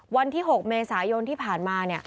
วันที่๖เมษายนที่ผ่านมา